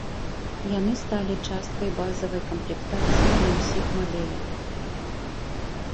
Яны сталі часткай базавай камплектацыі на ўсіх мадэлях.